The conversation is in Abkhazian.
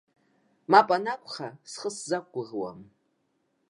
Мап анакәха, схы сзақәгәыӷуам.